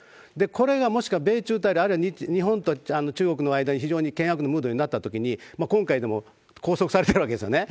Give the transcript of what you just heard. これがもしか米中対立、あるいは日本と中国の間が非常に険悪なムードになったときに、今回でも拘束されてるわけですよね。